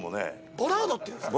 ボラードっていうんですか？